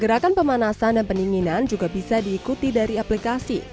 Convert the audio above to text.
gerakan pemanasan dan pendinginan juga bisa diikuti dari aplikasi